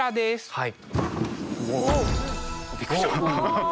はい。